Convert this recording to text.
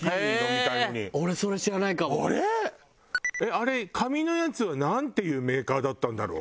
あれ紙のやつはなんていうメーカーだったんだろう？